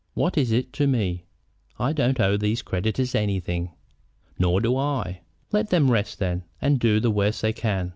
What is it to me? I don't owe these creditors anything." "Nor do I." "Let them rest, then, and do the worst they can.